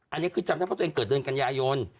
อันนี้คือจำได้เพราะตัวเองเกิดเดือนกันยายน